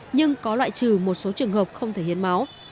nhưng có loại trừ một số trường hợp không thể hiến máu